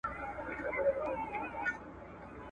ستا پر تور تندي لیکلي کرښي وايي `